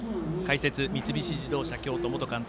解説、三菱自動車京都元監督